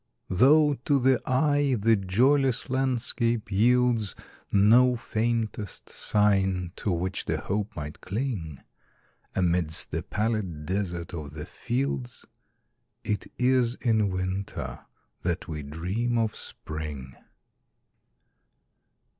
Though, to the eye, the joyless landscape yieldsNo faintest sign to which the hope might cling,—Amidst the pallid desert of the fields,—It is in Winter that we dream of Spring.